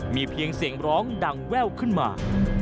มีเพียงเสียงร้องดังแว่วขึ้นมา